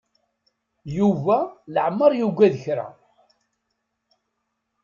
Yuba leɛmer yuggad kra.